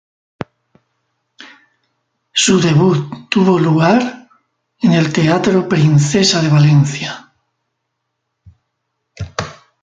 Su debut tuvo lugar en el Teatro Princesa de Valencia.